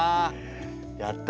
やった！